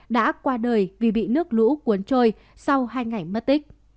đã qua đời vì bị nước lũ cuốn trôi sau hai ngày mất tích